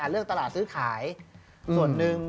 ซื้อขายส่วนหนึ่ง